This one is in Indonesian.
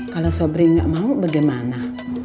kalau sobri nggak mau bagaimana